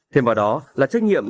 thêm vào đó là trách nhiệm